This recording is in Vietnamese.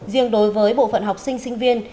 riêng đối với bộ phận học sinh sinh viên